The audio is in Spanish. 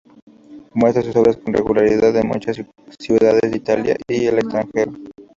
Muestra sus obras con regularidad en muchas ciudades de Italia y el extranjero.